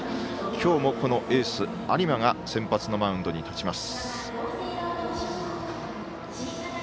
今日もエース、有馬が先発のマウンドに立ちます。